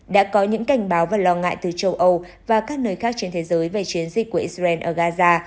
đã có những cảnh báo và lo ngại từ châu âu và các nơi khác trên thế giới về chiến dịch của israel ở gaza